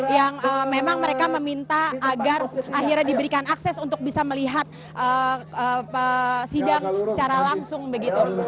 yang memang mereka meminta agar akhirnya diberikan akses untuk bisa melihat sidang secara langsung begitu